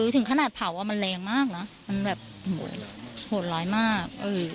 ถึงขนาดเผ่าว่ามันแรงมากนะโหดร้ายมาก